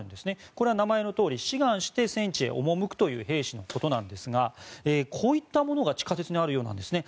これは名前のとおり志願して戦地に赴くという兵士のことなんですがこういったものが地下鉄にあるようなんですね。